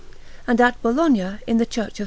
And at Bologna, in the Church of S.